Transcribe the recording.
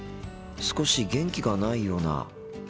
少し元気がないような。